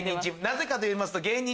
なぜかといいますと。